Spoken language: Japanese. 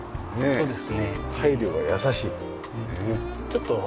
そうです。